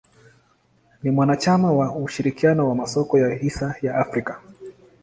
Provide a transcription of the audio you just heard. Ni mwanachama wa ushirikiano wa masoko ya hisa ya Afrika.